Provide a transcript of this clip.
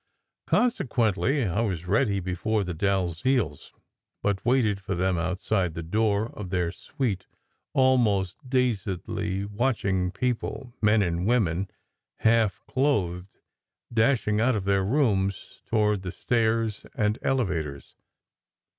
Consequently, I was ready before the Dalziels, but waited for them outside the door of their suite, almost dazedly watching people men and women, half clothed dashing out of their rooms toward the stairs and elevators.